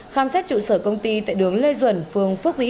khám xét trụ sở công ty tại đường lê duẩn phường phước vĩ